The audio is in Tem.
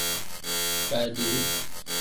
Baadiru.